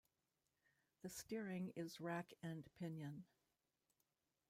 The steering is rack and pinion.